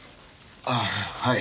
ああはい。